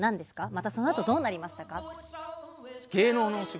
また、そのあとどうなりましたか。